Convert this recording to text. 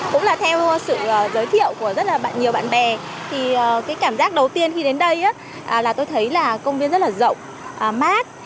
cũng là theo sự giới thiệu của rất là nhiều bạn bè thì cái cảm giác đầu tiên khi đến đây là tôi thấy là công viên rất là rộng mát